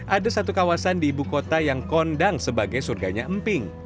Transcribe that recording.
ada satu kawasan di ibu kota yang kondang sebagai surganya emping